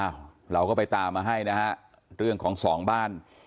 เราก็ไปตามมาให้นะฮะเรื่องของสองบ้าน